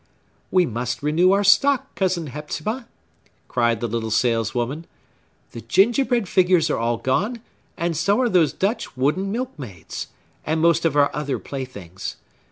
"We must renew our stock, Cousin Hepzibah!" cried the little saleswoman. "The gingerbread figures are all gone, and so are those Dutch wooden milkmaids, and most of our other playthings.